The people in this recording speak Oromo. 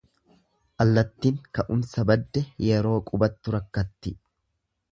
Allattin ka'umsa badde yeroo qubattu rakkatti.